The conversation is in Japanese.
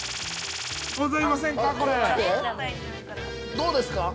◆どうですか？